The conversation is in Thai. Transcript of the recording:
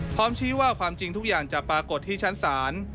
ชี้ว่าความจริงทุกอย่างจะปรากฏที่ชั้นศาล